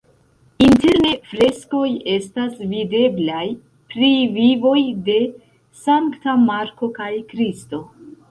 Interne freskoj estas videblaj pri vivoj de Sankta Marko kaj Kristo.